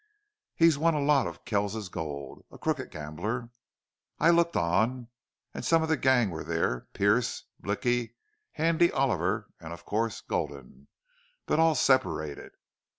He's won a lot of Kells's gold a crooked gambler. I looked on. And some of the gang were there Pearce, Blicky, Handy Oliver, and of course Gulden, but all separated.